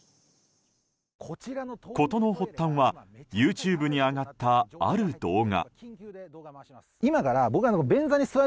事の発端はＹｏｕＴｕｂｅに上がったある動画。